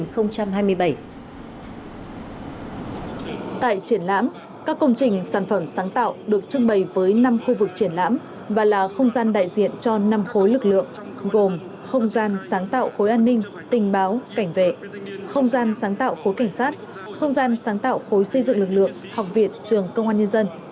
tại triển lãm các công trình sản phẩm sáng tạo được trưng bày với năm khu vực triển lãm và là không gian đại diện cho năm khối lực lượng gồm không gian sáng tạo khối an ninh tình báo cảnh vệ không gian sáng tạo khối cảnh sát không gian sáng tạo khối xây dựng lực lượng học viện trường công an nhân dân